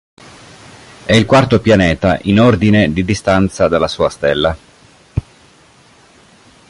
È il quarto pianeta in ordine di distanza dalla sua stella.